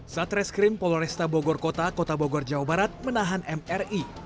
satreskrim polresta bogor kota kota bogor jawa barat menahan mri